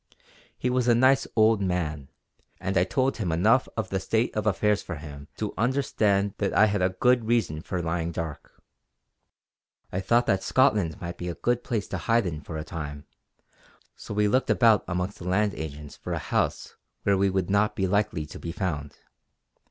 He was a nice old man, and I told him enough of the state of affairs for him to understand that I had a good reason for lying dark. I thought that Scotland might be a good place to hide in for a time; so we looked about amongst the land agents for a house where we would not be likely to be found.